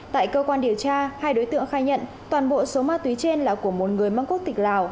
tại cơ quan điều tra hai đối tượng khai nhận toàn bộ số ma túy trên là của một người mang quốc tịch lào